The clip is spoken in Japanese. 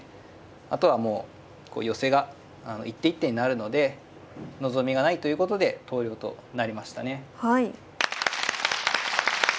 あとはもう寄せが一手一手になるので望みがないということで投了となりましたね。